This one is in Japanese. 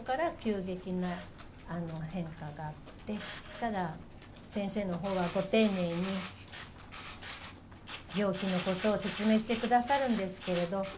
ただ、先生はご丁寧に病気のことを説明してくださるんですけれど。